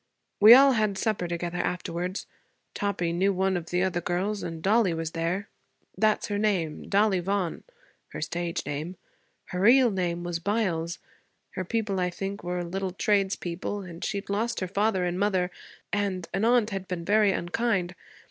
We all had supper together afterwards. Toppie knew one of the other girls, and Dollie was there. That's her name Dollie Vaughan her stage name. Her real name was Byles. Her people, I think, were little tradespeople, and she'd lost her father and mother, and an aunt had been very unkind.